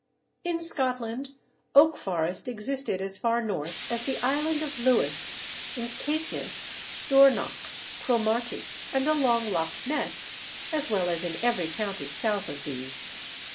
In Scotland oak forest existed as far north as the Island of Lewis, in Caithness, Dornoch, Cromarty, and along Loch Ness, as well as in every county south of these.